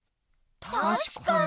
たしかに。